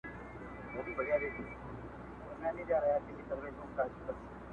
د عُمر زکندن ته شپې یوه، یوه لېږمه٫